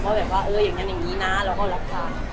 แบบว่าเอออย่างนั้นอย่างนี้นะเราก็รับฟัง